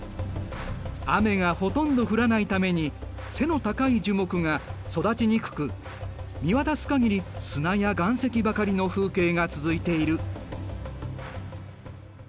雨がほとんど降らないために背の高い樹木が育ちにくく見渡す限り砂や岩石ばかりの風景が続いている。